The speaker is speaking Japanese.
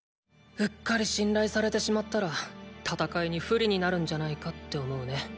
うっかり信頼されてしまったら戦いに不利になるんじゃないかって思うね。